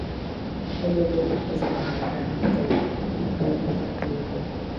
Alalay paasamanqanpita tuqruyuq kaykaa.